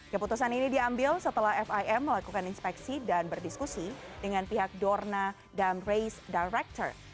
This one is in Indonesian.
keputusan ini diambil setelah fim melakukan inspeksi dan berdiskusi dengan pihak dorna dan race director